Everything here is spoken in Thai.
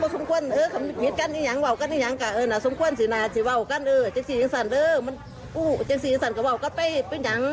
แสดงมันคิดอย่างไรมันคิดกับว่าไรแล้ว